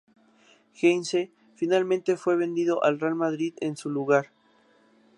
Heinze finalmente fue vendido al Real Madrid en su lugar.